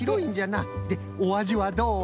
でおあじはどう？